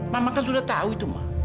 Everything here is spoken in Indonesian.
mama kan sudah tahu itu mah